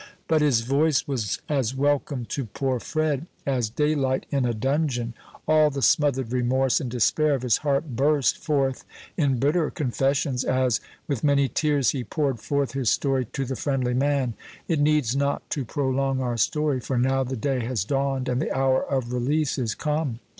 But his voice was as welcome to poor Fred as daylight in a dungeon. All the smothered remorse and despair of his heart burst forth in bitter confessions, as, with many tears, he poured forth his story to the friendly man. It needs not to prolong our story, for now the day has dawned and the hour of release is come.